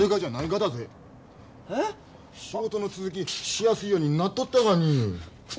仕事の続きしやすいようになっとったがに。